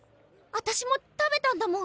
私も食べたんだもん。